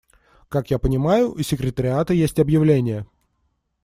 Как я понимаю, у секретариата есть объявление.